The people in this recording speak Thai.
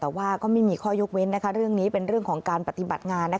แต่ว่าก็ไม่มีข้อยกเว้นเรื่องนี้เป็นเรื่องของการปฏิบัติงาน